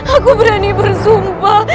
aku berani bersumpah